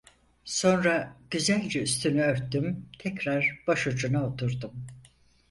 Sonra güzelce üstünü örttüm, tekrar başucuna oturdum.